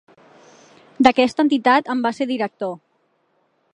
D'aquesta entitat en va ser director.